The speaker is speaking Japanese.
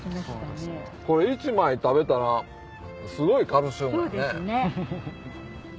これ１枚食べたらすごいカルシウムやね。